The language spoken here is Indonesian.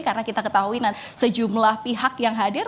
karena kita ketahui sejumlah pihak yang hadir